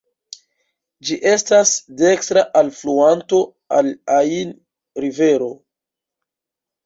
Ĝi estas dekstra alfluanto al Ain (rivero).